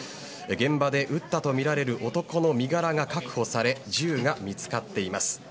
現場で撃ったとみられる男の身柄が確保され銃が見つかっています。